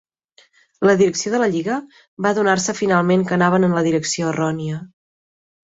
La direcció de la lliga va adonar-se finalment que anaven en la direcció errònia.